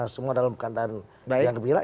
semua dalam keadaan yang gembira